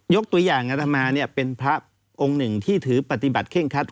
ยกตุย่างอธมานี่เป็นพระองค์หนึ่งที่ถือปฏิบัติเข้งคัด